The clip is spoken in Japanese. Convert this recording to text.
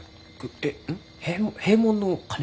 えっへ閉門の鐘？